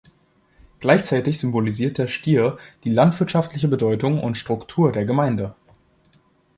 Gleichzeitig symbolisiert der Stier die landwirtschaftliche Bedeutung und Struktur der Gemeinde.